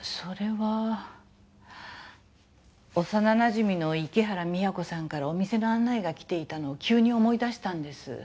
それは幼なじみの池原美也子さんからお店の案内が来ていたのを急に思い出したんです。